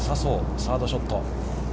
サードショット。